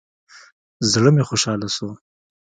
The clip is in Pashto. زړه مې خوشاله سو.